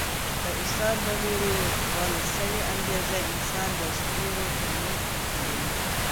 د استاد له لوري ورکړل سوی انګېزه انسان د ستورو تر منځ ځلوي.